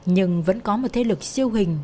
nhưng vẫn có một thế lực siêu hình